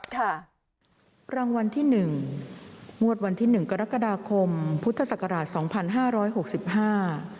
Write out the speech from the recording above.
ค่ะรางวัลที่หนึ่งงวดวันที่หนึ่งกรกฎาคมพุทธศักราชสองพันห้าร้อยหกสิบห้า